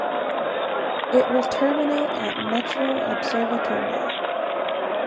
It will terminate at Metro Observatorio.